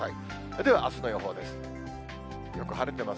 では、あすの予報です。